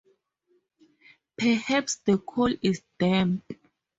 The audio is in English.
Perhaps the coal is damp.